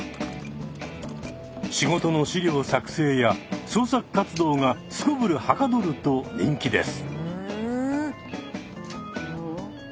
仕事の資料作成や創作活動がすこぶるはかどると人気です。